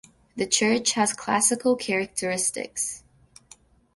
The church has Classical characteristics.